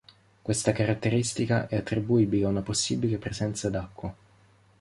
Questa caratteristica è attribuibile ad una possibile presenza d'acqua.